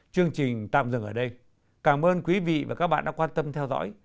chương trình tạm dừng ở đây cảm ơn quý vị và các bạn đã quan tâm theo dõi